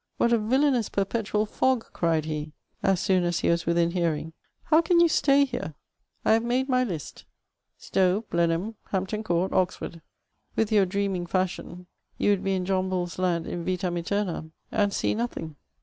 *^ What a villanous perpetual fog T' cried he, as soon as he was within hearing ;'^ how can you stay here ? I have made my list: Stowe^ Blenheim, Hampton Court, Oxford; with your dreaming fashion, you would be in John Bull's land in vUam atemam and see nothing."